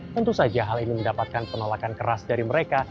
tentu saja hal ini mendapatkan penolakan keras dari mereka